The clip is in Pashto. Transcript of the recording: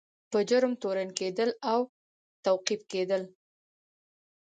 په جرم تورن کیدل او توقیف کیدل.